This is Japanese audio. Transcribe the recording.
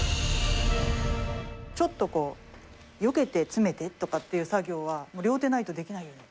ちょっとよけて詰めてとかっていう作業は、両手ないとできない。